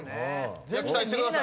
期待してください。